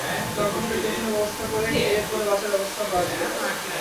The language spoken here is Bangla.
দরকার হলে পেনশনের ব্যবস্থা করে খেয়ে-পরে বাঁচার ব্যবস্থাও করা যেতে পারে।